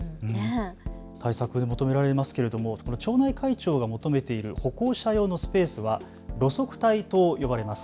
対策、求められますけれども町内会長が求めている歩行者用のスペースは路側帯と呼ばれます。